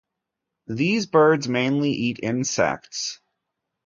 These birds mainly eat insects.